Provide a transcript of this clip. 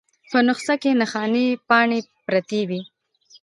په نسخه کې نښانۍ پاڼې پرتې وې.